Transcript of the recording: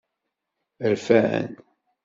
Rfan.